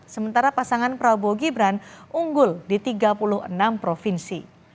sementara pasangan prabowo gibran unggul di tiga puluh enam provinsi